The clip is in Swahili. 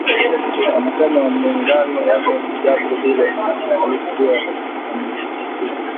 Wanachama wa muungano kwenye jopo hilo walikuwa wameashiria